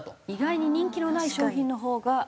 意外に人気のない商品のほうが。